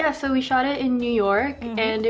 ah aku paham kembali lagi ke video musik gimana ini rekamannya